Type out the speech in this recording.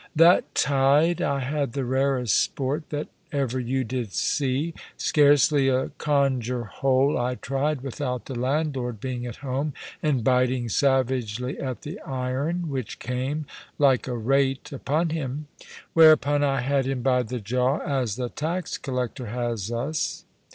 That tide I had the rarest sport that ever you did see. Scarcely a conger hole I tried without the landlord being at home, and biting savagely at the iron, which came (like a rate) upon him; whereupon I had him by the jaw, as the tax collector has us.